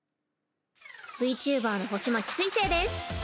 ＶＴｕｂｅｒの星街すいせいです。